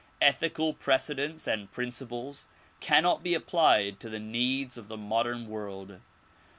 Ethical precedents and principles cannot be applied to the needs of the modern world.